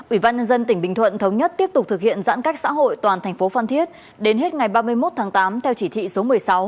ubnd tỉnh bình thuận thống nhất tiếp tục thực hiện giãn cách xã hội toàn tp phan thiết đến hết ngày ba mươi một tháng tám theo chỉ thị số một mươi sáu